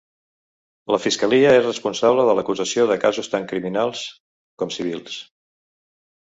La Fiscalia és responsable de l'acusació de casos tant criminals com civils.